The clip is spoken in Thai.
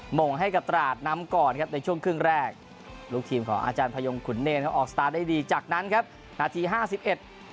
โมงให้กับตราดนำก่อนครับในช่วงครึ่งแรกลูกทีมของอาจารย์พยงขุนเนรเขาออกสตาร์ทได้ดีจากนั้นครับนาทีห้าสิบเอ็ด